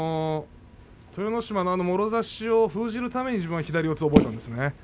豊ノ島のもろ差しを封じるために自分は左四つを覚えたんですね。